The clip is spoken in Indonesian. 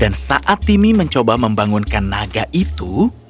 dan saat timmy mencoba membangunkan naga itu